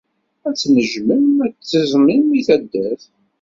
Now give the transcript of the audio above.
Ad tnejjmem ad teẓwim l teddart.